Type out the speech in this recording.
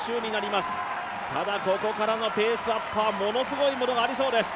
まだここからのペースアップはものすごいものになりそうです。